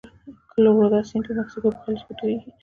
کلورادو سیند په مکسیکو په خلیج کې تویږي.